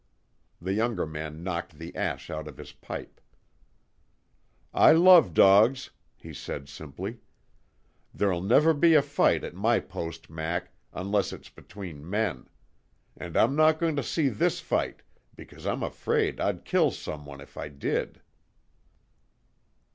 The younger man knocked the ash out of his pipe. "I love dogs," he said, simply. "There'll never be a fight at my post, Mac unless it's between men. And I'm not going to see this fight, because I'm afraid I'd kill some one if I did."